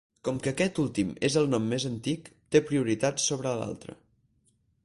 Com que aquest últim és el nom més antic, té prioritat sobre l'altre.